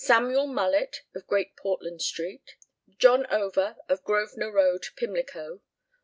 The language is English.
SAMUEL MULLETT, Great Portland Street. JOHN OVER, Grosvenor Road, Pimlico.